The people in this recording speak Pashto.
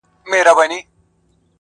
چي یې بیا دی را ایستلی د ګور مړی!!